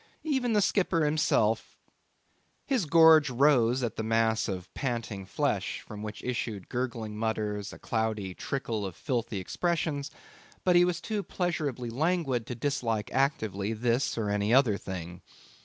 Even the skipper himself ... His gorge rose at the mass of panting flesh from which issued gurgling mutters, a cloudy trickle of filthy expressions; but he was too pleasurably languid to dislike actively this or any other thing.